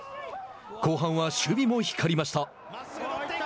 後半は守備も光りました。